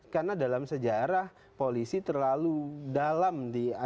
karena dalam sejarah polisi terlalu dalam